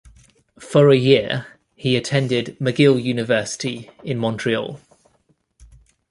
For a year, he attended McGill University in Montreal.